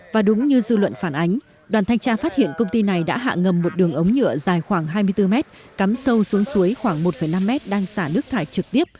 và đúng như dư luận phản ánh đoàn thanh tra phát hiện công ty này đã hạ ngầm một đường ống nhựa dài khoảng hai mươi bốn mét cắm sâu xuống suối khoảng một năm mét đang xả nước thải trực tiếp